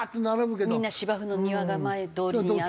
みんな芝生の庭が前通りにあってね。